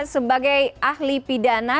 sebagai ahli pidana